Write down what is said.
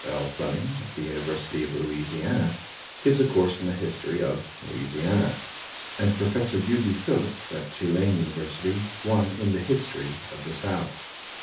L. Fleming, of the University of Louisiana, gives a course in the history of Louisiana, and Professor U. B. Phillips, at Tulane University, one in the history of the South.